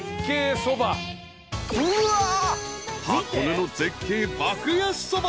［箱根の絶景爆安そば。